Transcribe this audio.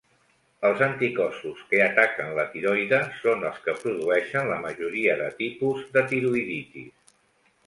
Els anticossos que ataquen la tiroide són els que produeixen la majoria de tipus de tiroïditis.